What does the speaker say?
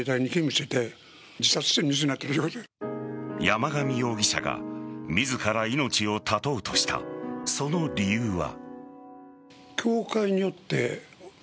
山上容疑者が自ら命を絶とうとしたその理由は。